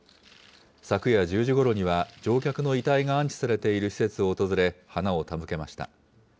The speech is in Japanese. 昨夜１０時ごろには、乗客の遺体が安置されている施設を訪れ、花を手向けました。